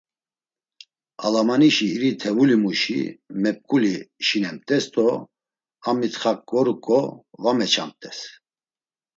Alamanişi iri tevulimuşi mep̌ǩuli şinemt̆es do a mitxak goruǩo va meçamt̆es.